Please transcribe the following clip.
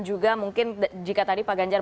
juga mungkin jika tadi pak ganjar